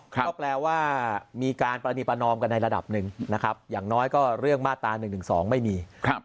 ก็แปลว่ามีการปรณีประนอมกันในระดับหนึ่งนะครับอย่างน้อยก็เรื่องมาตรา๑๑๒ไม่มี